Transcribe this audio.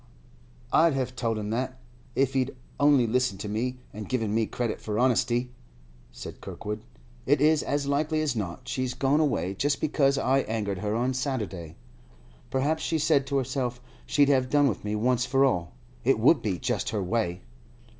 'I'd have told him that, if he'd only listened to me and given me credit for honesty,' said Kirkwood. 'It is as likely as not she's gone away just because I angered her on Saturday. Perhaps she said to herself she'd have done with me once for all. It would be just her way.